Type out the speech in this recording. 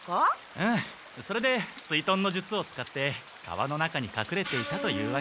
ああそれで水の術を使って川の中にかくれていたというわけだ。